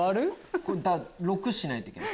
だから６にしないといけない。